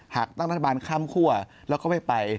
หากตั้งรัฐบาลข้ามคั่วแล้วก็ไม่ไป